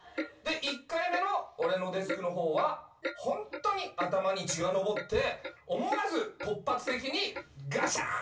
１回目の俺のデスクの方はホントに頭に血が上って思わず突発的にガシャーン！